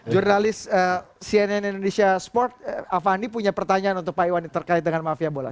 jurnalis cnn indonesia sport avandi punya pertanyaan untuk pak iwan terkait dengan mafia bola